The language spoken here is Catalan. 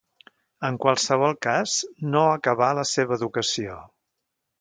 En qualsevol cas, no acabà la seva educació.